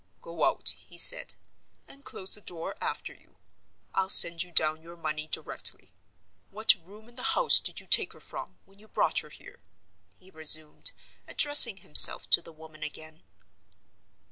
"Go out," he said, "and close the door after you. I'll send you down your money directly. What room in the house did you take her from, when you brought her here?" he resumed, addressing himself to the woman again.